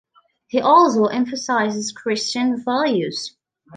He also emphasizes Christian values.